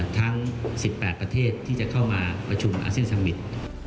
ทั้ง๑๘ประเทศที่จะเข้ามาประชุมอาเซียนสมิตร